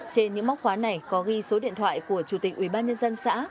trên những móc khóa này có ghi số điện thoại của chủ tịch ubnd xã